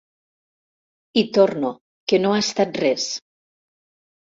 Hi torno, que no ha estat res.